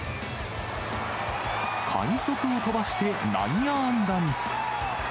快足を飛ばして内野安打に。